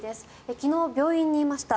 昨日、病院にいました。